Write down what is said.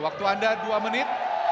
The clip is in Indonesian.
waktu anda dua menit